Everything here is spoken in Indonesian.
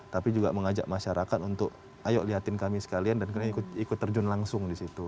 tapi juga mengajak masyarakat untuk ayo lihatin kami sekalian dan kami ikut terjun langsung di situ